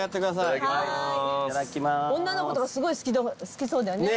女の子とかすごい好きそうだよね。